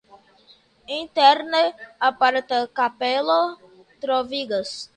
Interne aparta kapelo troviĝas.